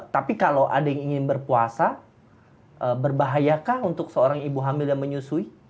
tapi kalau ada yang ingin berpuasa berbahayakah untuk seorang ibu hamil dan menyusui